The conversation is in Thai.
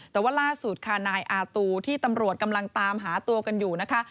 แต่ว่าล่าสุดค่ะนายอาตูที่ตำรวจกำลังตามหาตัวกันอยู่นะคะ